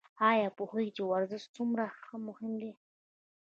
ایا پوهیږئ چې ورزش څومره مهم دی؟